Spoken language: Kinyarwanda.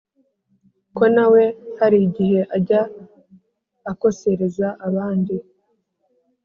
ko na we hari igihe ajya akosereza abandi